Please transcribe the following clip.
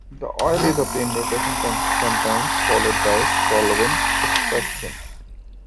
The oil is obtained by pressing, sometimes followed by solvent extraction.